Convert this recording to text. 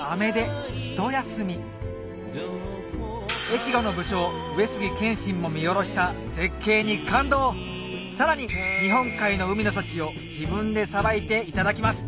越後の武将上杉謙信も見下ろした絶景に感動さらに日本海の海の幸を自分でさばいていただきます